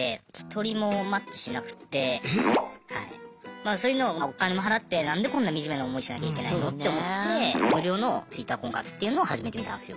まあそういうのもお金も払って何でこんなにみじめな思いしなきゃいけないのって思って無料のＴｗｉｔｔｅｒ婚活っていうのを始めてみたんすよ。